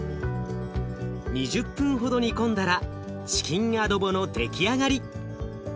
２０分ほど煮込んだらチキンアドボの出来上がり。